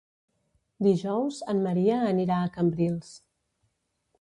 Dijous en Maria anirà a Cambrils.